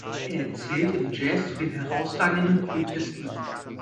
Er zählt im Jazz zu den herausragenden Flötisten.